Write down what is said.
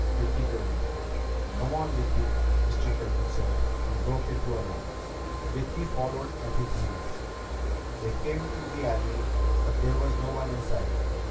Vicki groaned. "Come on, Vicki," Mr. Curtin said, and broke into a run. Vicki followed at his heels. They came to the alley, but there was no one in sight.